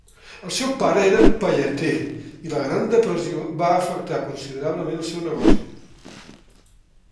El seu pare era pelleter i la Gran Depressió va afectar considerablement el seu negoci.